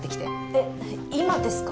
えっ今ですか？